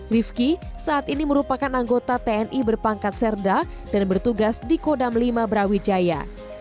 rifki saat ini merupakan anggota tni berpangkat serda dan bertugas di kodam lima brawijaya